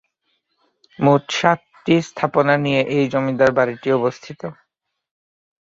মোট সাতটি স্থাপনা নিয়ে এই জমিদার বাড়িটি অবস্থিত।